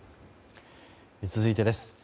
続いてです。